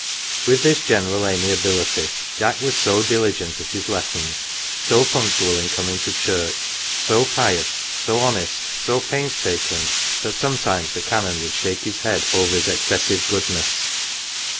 With this general amiability, Jack was so diligent at his lessons, so punctual in coming to church, so pious, so honest, so painstaking, that sometimes the Canon would shake his head over his excessive goodness.